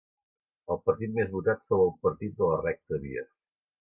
El partit més votat fou el Partit de la Recta Via.